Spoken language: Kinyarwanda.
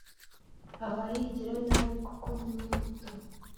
Aba yigira nabi kuko niwe muto